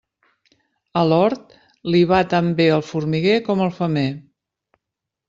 A l'hort, li va tan bé el formiguer com el femer.